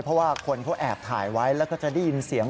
เพราะว่าคนเขาแอบถ่ายไว้แล้วก็จะได้ยินเสียง